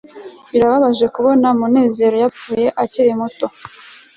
birababaje kubona munezero yapfuye akiri muto